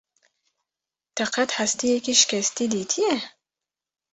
Te qet hestiyekî şikesti dîtiyî?